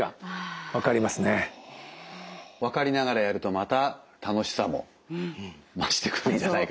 分かりながらやるとまた楽しさも増してくるんじゃないかと。